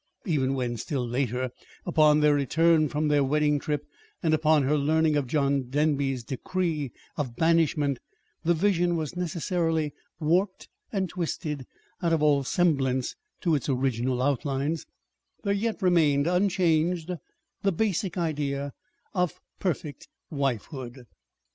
Even when, still later (upon their return from their wedding trip and upon her learning of John Denby's decree of banishment), the vision was necessarily warped and twisted all out of semblance to its original outlines, there yet remained unchanged the basic idea of perfect wifehood.